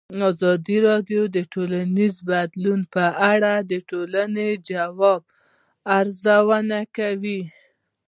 ازادي راډیو د ټولنیز بدلون په اړه د ټولنې د ځواب ارزونه کړې.